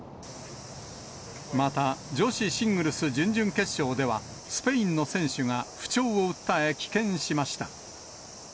また、女子シングルス準々決勝では、スペインの選手が不調を訴え、棄権しました。